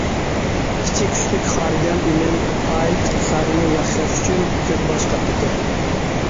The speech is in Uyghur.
ئىچى كۈچلۈك خالىدەم ئىمىن ئائىلە ئىقتىسادىنى ياخشىلاش ئۈچۈن كۆپ باش قاتۇردى.